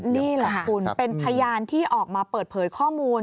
นี่แหละคุณเป็นพยานที่ออกมาเปิดเผยข้อมูล